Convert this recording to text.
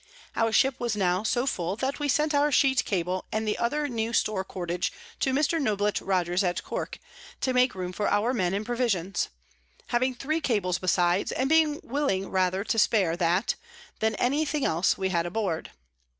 Our Ship was now so full that we sent our Sheet Cable and other new Store Cordage to Mr. Noblett Rogers at Cork, to make room for our Men and Provisions; having three Cables besides, and being willing rather to spare that, than any thing else we had aboard.